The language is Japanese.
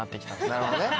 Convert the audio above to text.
なるほどね。